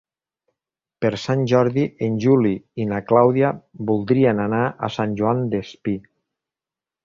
Per Sant Jordi en Juli i na Clàudia voldrien anar a Sant Joan Despí.